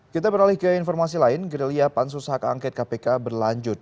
kita beralih ke informasi lain gerilya pansus hak angket kpk berlanjut